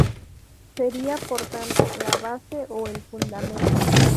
Sería, por tanto, la base o "el fundamento".